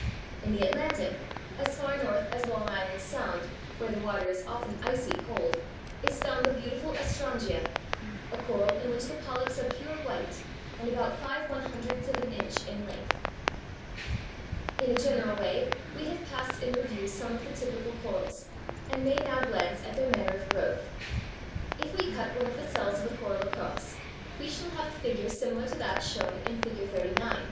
In the Atlantic, as far north as Long Island Sound, where the water is often icy cold, is found the beautiful Astrangia, a coral in which the polyps are pure white and about five one hundredths of an inch in length. [Illustration: FIG. 38. Organ pipe coral (Tubipora): A, cell tubes; B, polyp expanded.] In a general way we have passed in review some of the typical corals, and may now glance at their manner of growth. If we cut one of the cells of a coral across, we shall have a figure similar to that shown in Figure 39.